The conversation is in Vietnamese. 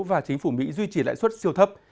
và chính phủ mỹ duy trì lãi suất siêu thấp